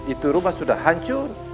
itu rumah sudah hancur